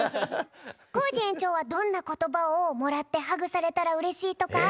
コージ園長はどんなことばをもらってハグされたらうれしいとかある？